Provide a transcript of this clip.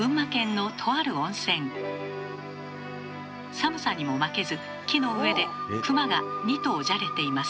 寒さにも負けず木の上で熊が２頭じゃれています。